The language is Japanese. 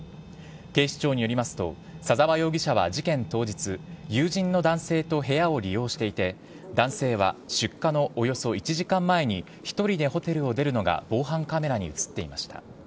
警視庁によりますと左沢容疑者は事件当日友人の男性と部屋を利用していて男性は出火のおよそ１時間前に１人でホテルを出るのが防犯カメラに映っていました。